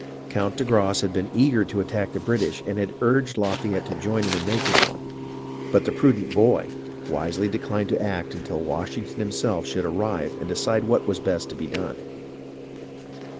Count de Grasse had been eager to attack the British and had urged Lafayette to join him in making one; but the prudent "boy" wisely declined to act until Washington himself should arrive and decide what was best to be done.